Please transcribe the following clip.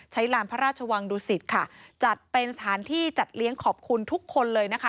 ลานพระราชวังดุสิตค่ะจัดเป็นสถานที่จัดเลี้ยงขอบคุณทุกคนเลยนะคะ